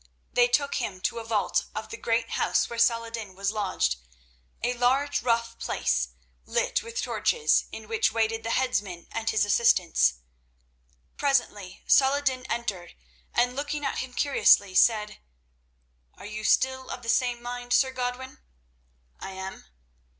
They took him to a vault of the great house where Saladin was lodged—a large, rough place, lit with torches, in which waited the headsman and his assistants. Presently Saladin entered, and, looking at him curiously, said: "Are you still of the same mind, Sir Godwin?" "I am."